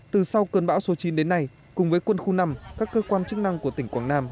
từ sau cơn bão số chín đến nay cùng với quân khu năm các cơ quan chức năng của tỉnh quảng nam